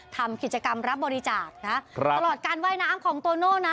ทำกิจกรรมรับบริจาคนะครับตลอดการว่ายน้ำของโตโน่นะ